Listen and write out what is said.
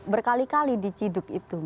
berkali kali diciduk itu